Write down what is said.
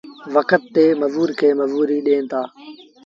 وکت تي مزور کي مزوريٚ ڏئيٚتآ۔